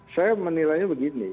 saya menilainya begini